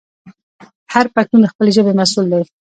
هر پښتون د خپلې ژبې مسوول دی.